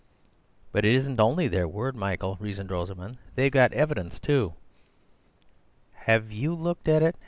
"But it isn't only their word, Michael," reasoned Rosamund; "they've got evidence too." "Have you looked at it?"